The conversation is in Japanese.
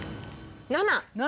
７。